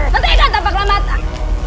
menteri ikat tanpa kelambatan